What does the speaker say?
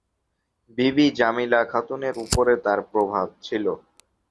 বিবি জামিলা খাতুনের উপরে তার প্রভাব ছিল।